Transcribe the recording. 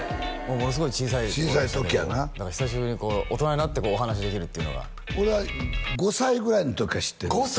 ものすごい小さい頃でしたけど久しぶりに大人になってお話しできるっていうのが俺は５歳ぐらいの時から知ってる５歳！？